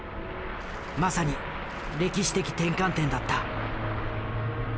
まさに歴史的転換点だった。